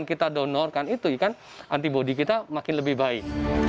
yang kita donorkan itu kan antibody kita makin lebih baik